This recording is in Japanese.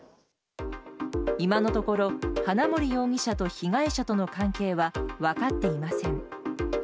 今のところ、花森容疑者と被害者との関係は分かっていません。